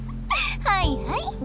はいはい。